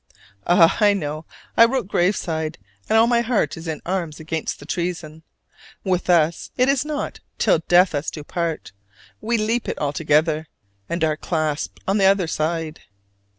Ah, I know: I wrote "grave side," and all my heart is in arms against the treason. With us it is not "till death us do part": we leap it altogether, and are clasped on the other side.